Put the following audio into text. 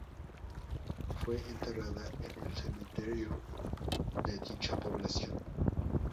Fue enterrada en el cementerio de dicha población.